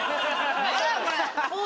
何やこれ？